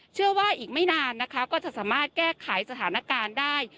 เชื่อว่าอีกไม่นานนะคะก็จะสามารถแก้ไขสถานการณ์ได้